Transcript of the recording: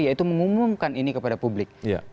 yaitu mengumumkan ini kepada publik